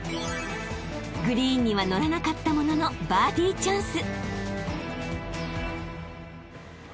［グリーンにはのらなかったもののバーディチャンス］